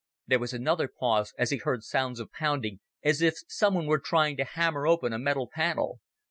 There was another pause as he heard sounds of pounding, as if someone were trying to hammer open a metal panel.